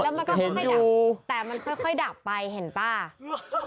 แล้วมันก็ค่อยดับแต่มันค่อยดับไปเห็นป่ะ